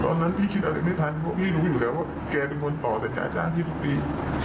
ตอนนั้นพี่คิดอะไรไม่ทันเพราะที่ทีรู้อยู่แล้วว่าแกเป็นคนต่อใจจ้างด้วยทุกที